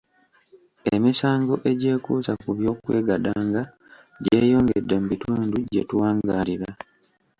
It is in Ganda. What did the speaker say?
Emisango egyekuusa ku by'okwegadanga gyeyongedde mu bitundu gye tuwangaalira.